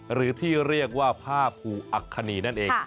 หรือที่เรียกว่าผ้าภูอัคคณีนั่นเอง